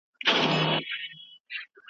ټولنپوهنه څه ډول علم دی؟